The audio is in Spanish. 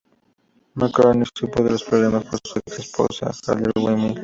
McCartney supo de los problemas por su ex-esposa, Heather Mills.